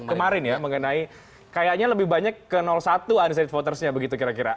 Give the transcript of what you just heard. kemarin ya mengenai kayaknya lebih banyak ke satu undecided votersnya begitu kira kira